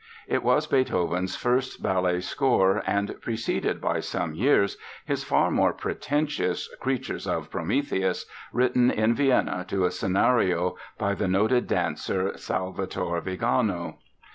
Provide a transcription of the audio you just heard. It was Beethoven's first ballet score and preceded by some years his far more pretentious Creatures of Prometheus, written in Vienna to a scenario by the noted dancer, Salvatore Vigano.